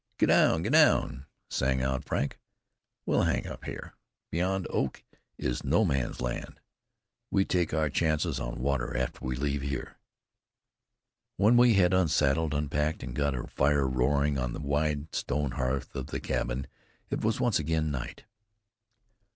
"Get down, get down," sang out Frank. "We'll hang up here. Beyond Oak is No Man's Land. We take our chances on water after we leave here." When we had unsaddled, unpacked, and got a fire roaring on the wide stone hearth of the cabin, it was once again night.